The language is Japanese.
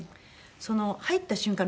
その入った瞬間